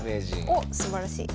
おっすばらしい。